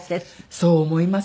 そう思います。